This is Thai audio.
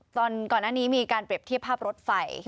ก่อนหน้านี้มีการเปรียบเทียบภาพรถไฟ